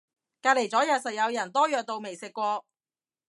隔離咗右實有人多藥到未食過